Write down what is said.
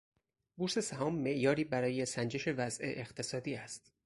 بورس سهام معیاری برای سنجش وضع اقتصادی است.